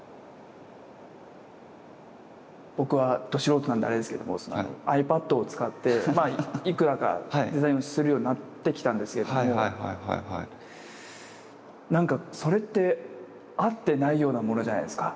僕はど素人なんであれですけれどもｉＰａｄを使っていくらかデザインをするようになってきたんですけれどもなんかそれってあってないようなものじゃないですか。